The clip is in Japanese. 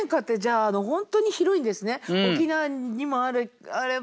沖縄にもあれば。